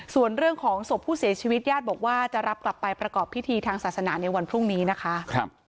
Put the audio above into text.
ส่วนเรื่องของศพผู้เสียชีวิตญาติบอกว่าจะรับกลับไปประกอบพิธีทางศาสนาในวันพรุ่งนี้นะคะ